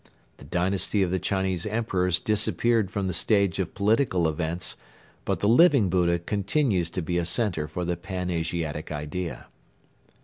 The dynasty of the Chinese emperors disappeared from the stage of political events but the Living Buddha continues to be a center for the Pan Asiatic idea.